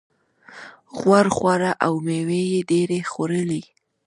غوړ خواړه او مېوې یې ډېرې خوړلې.